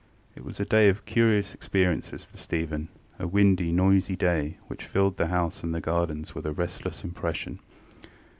It was a day of curious experiences for Stephen: a windy, noisy day, which filled the house and the gardens with a restless impression.